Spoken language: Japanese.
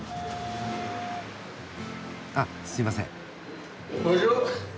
あっすいません。